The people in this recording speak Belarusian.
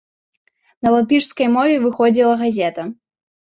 На латышскай мове выходзіла газета.